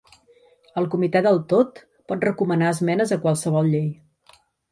El Comitè del Tot pot recomanar esmenes a qualsevol llei.